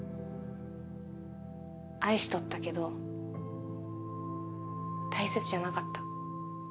愛しとったけど大切じゃなかった。